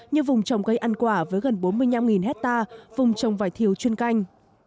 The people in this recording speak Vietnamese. như vùng trồng cây ăn quả với gần bốn mươi năm hectare vùng trồng vải thiêu chuyên canh